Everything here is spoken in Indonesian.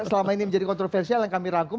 selama ini menjadi kontroversial yang kami rangkum